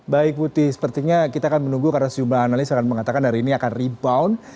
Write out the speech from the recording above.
baik putih sepertinya kita akan menunggu karena sejumlah analis akan mengatakan hari ini akan rebound